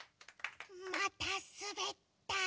またすべった。